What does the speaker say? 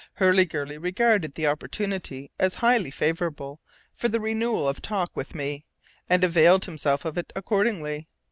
Hurliguerly regarded the opportunity as highly favourable for the renewal of talk with me, and availed himself of it accordingly.